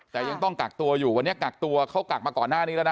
แต่ยังต้องกักตัวอยู่วันนี้กักตัวเขากักมาก่อนหน้านี้แล้วนะ